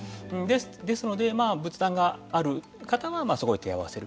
ですので、仏壇がある方はそこへ手を合わせる。